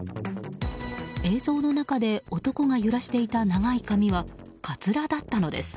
映像の中で男が揺らしていた長い髪はカツラだったのです。